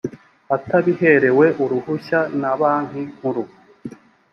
atabiherewe uruhushya na banki nkuru